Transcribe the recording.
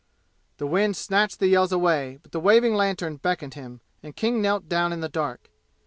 The wind snatched the yells away, but the waving lantern beckoned him, and King knelt down in the dark.